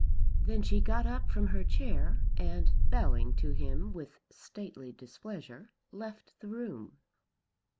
Then she got up from her chair and bowing to him with stately displeasure left the room.